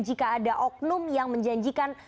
jika ada oknum yang menjanjikan